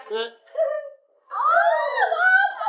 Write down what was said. nganterin tas ya